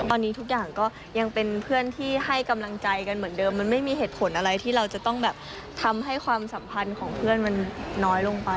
ตอนนี้ทุกอย่างก็ยังเป็นเพื่อนที่ให้กำลังใจกันเหมือนเดิมมันไม่มีเหตุผลอะไรที่เราจะต้องแบบทำให้ความสัมพันธ์ของเพื่อนมันน้อยลงไป